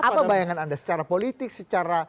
apa bayangan anda secara politik secara